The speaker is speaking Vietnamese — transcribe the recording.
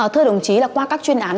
thưa đồng chí là qua các chuyên án